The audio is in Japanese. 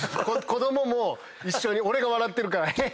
子供も一緒に俺が笑ってるから「ヘヘヘ！」